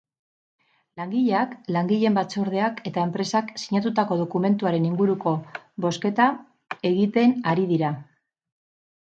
Langileak langileen batzordeak eta enpresak sinatutako dokumentuaren inguruko bozketa egiten ari dira.